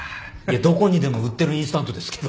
どこにでも売ってるインスタントですけど。